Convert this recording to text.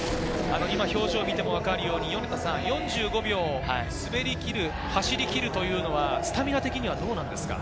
表情を見てもわかるように、４５秒を滑りきる、走り切るというのはスタミナ的にはどうですか？